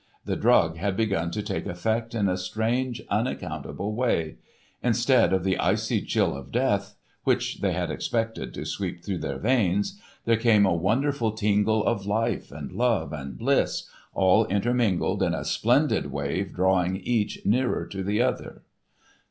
The drug had begun to take effect in a strange, unaccountable way. Instead of the icy chill of death, which they had expected to sweep through their veins, there came a wonderful tingle of life and love and bliss, all intermingled in a splendid wave drawing each nearer to the other.